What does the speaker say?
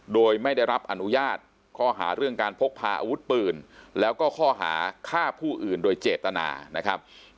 โดยไม่ได้รับอนุญาตข้อหาเรื่องการพกพาอาวุธปืนแล้วก็ข้อหาฆ่าผู้อื่นโดยเจตนานะครับ